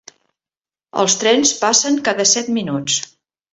Els trens passen cada set minuts.